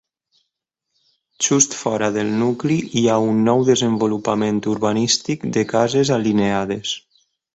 Just fora del nucli hi ha un nou desenvolupament urbanístic de cases alineades.